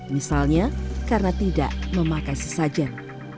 misalnya karena tidak memakai sesajen